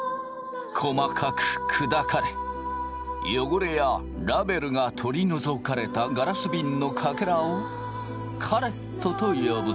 細かく砕かれ汚れやラベルが取り除かれたガラスびんのかけらをカレットと呼ぶ。